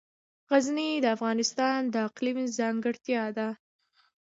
غزني د افغانستان د اقلیم ځانګړتیا ده.